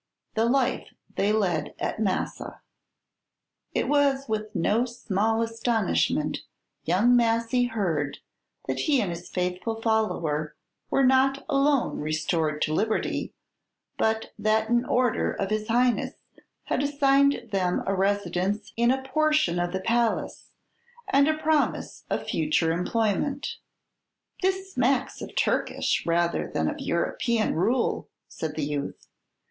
THE LIFE THEY LED AT MASSA It was with no small astonishment young Massy heard that he and his faithful follower were not alone restored to liberty, but that an order of his Highness had assigned them a residence in a portion of the palace, and a promise of future employment. "This smacks of Turkish rather than of European rule," said the youth.